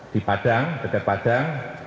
di padang dekat padang